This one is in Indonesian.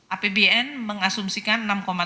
apbn mengasumsikan enam tujuh